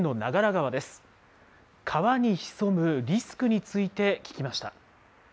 川に潜むリスクについて聞きました。